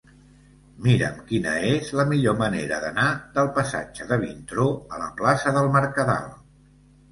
Mira'm quina és la millor manera d'anar del passatge de Vintró a la plaça del Mercadal.